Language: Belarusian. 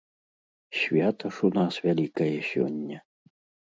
Свята ж у нас вялікае сёння.